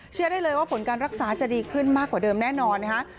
เชื่อได้เลยว่าผลการรักษาจะดีขึ้นมากกว่าเดิมแน่นอนนะคะ